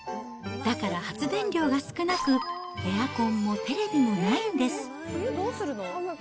だから発電量が少なく、エアコンもテレビもないんです。